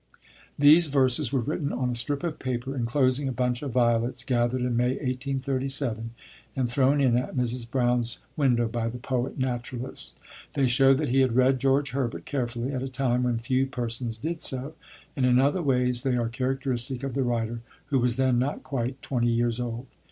These verses were written on a strip of paper inclosing a bunch of violets, gathered in May, 1837, and thrown in at Mrs. Brown's window by the poet naturalist. They show that he had read George Herbert carefully, at a time when few persons did so, and in other ways they are characteristic of the writer, who was then not quite twenty years old.